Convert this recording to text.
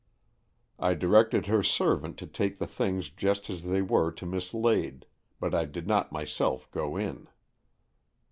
I directed her servant to take the things just as they were to Miss Lade, but I did not myself go in.